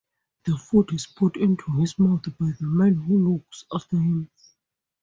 The food is put into his mouth by the man who looks after him.